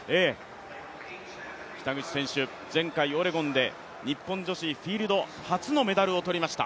北口選手、前回オレゴンで日本女子フィールド初のメダルを取りました、